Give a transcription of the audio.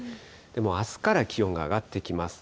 でもあすから気温が上がってきます。